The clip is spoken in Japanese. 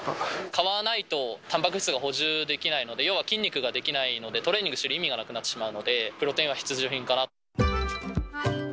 買わないと、補充できないので、要は筋肉が出来ないので、トレーニングしている意味がなくなってしまうので、プロテインは必需品かなと。